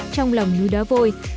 trong lòng như đá vôi